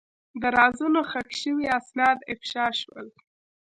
د رازونو ښخ شوي اسناد افشا شول.